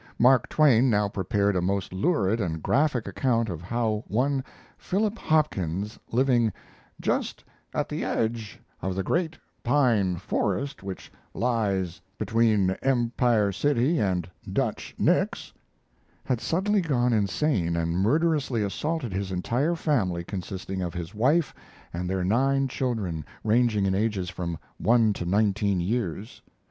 Mark Twain now prepared a most lurid and graphic account of how one Phillip Hopkins, living "just at the edge of the great pine forest which lies between Empire City and 'Dutch Nick's'," had suddenly gone insane and murderously assaulted his entire family consisting of his wife and their nine children, ranging in ages from one to nineteen years.